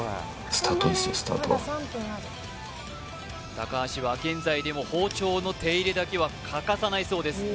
高橋は現在でも包丁の手入れだけは欠かさないそうです